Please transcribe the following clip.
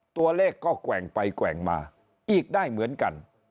ตัวเลขก็แกว่งไปแกว่งมาอีกได้เหมือนกัน